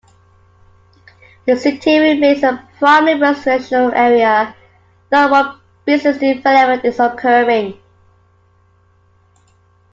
The city remains a primarily residential area, though more business development is occurring.